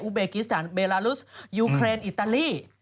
เบกิสถานเบลารุสยูเครนอิตาลี